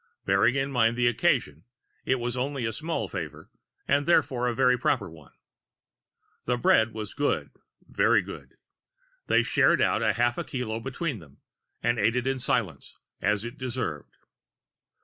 Bearing in mind the occasion, it was only a small favor and therefore a very proper one. The bread was good, very good. They shared out the half kilo between them and ate it in silence, as it deserved.